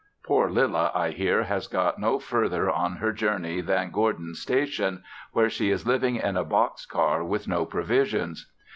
Poor Lilla I hear has got no further on her journey than Gourdin's Station, where she is living in a box car with no provisions.